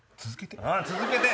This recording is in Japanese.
「続けて」